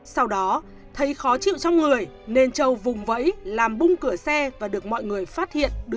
sau đó thấy khó chịu trong người nên châu vùng vẫy làm bung cửa xe và được mọi người phát hiện